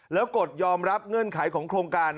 แล้วกฎยอมรับเงื่อนไขของโครงการ